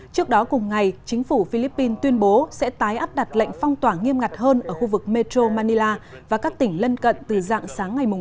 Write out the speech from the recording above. trước đó cùng ngày chính phủ philippines tuyên bố sẽ tái áp đặt lệnh phong tỏa nghiêm ngặt hơn ở khu vực metro manila và các tỉnh lân cận từ dạng sáng ngày một mươi